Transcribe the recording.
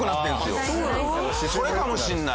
それかもしれない。